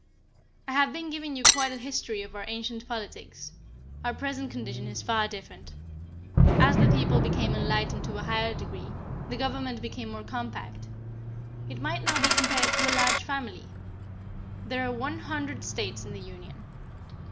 I have been giving you quite a history of our ancient politics. Our present condition is far different. As the people became enlightened to a higher degree, the government became more compact. It might now be compared to a large family. There are one hundred States in the Union.